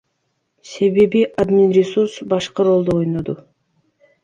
Себеби админресурс башкы ролду ойноду.